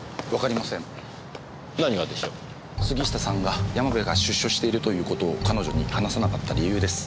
杉下さんが山部が出所しているということを彼女に話さなかった理由です。